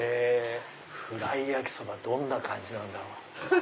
ふらいやきそばどんな感じなんだろう？